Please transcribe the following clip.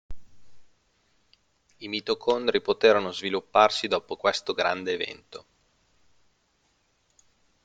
I mitocondri poterono svilupparsi dopo questo grande evento.